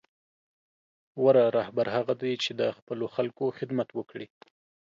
غوره رهبر هغه دی چې د خپلو خلکو خدمت وکړي.